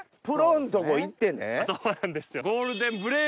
そうなんですよ。